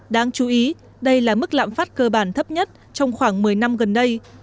đáng chú ý đây là mức lạm phát cơ bản thấp nhất trong khoảng một mươi năm gần đây